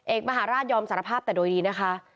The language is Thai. เอกมหาราชยอมสารภาพแต่โดยดีนะคะ